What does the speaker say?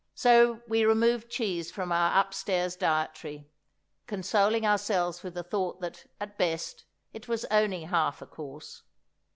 So we removed cheese from our upstairs dietary, consoling ourselves with the thought that, at best, it was only half a course.